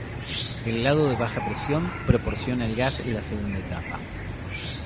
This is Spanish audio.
El lado de baja presión proporciona el gas la segunda etapa.